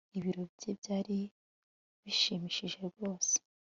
Ibirori bye byari bishimishije rwose